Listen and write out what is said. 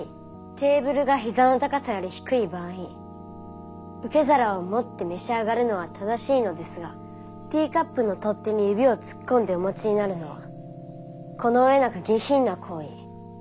テーブルがヒザの高さより低い場合受け皿を持って召し上がるのは正しいのですがティーカップの取っ手に指を突っ込んでお持ちになるのはこの上なく下品な行為。